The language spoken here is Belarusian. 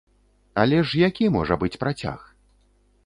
Але ж які можа быць працяг?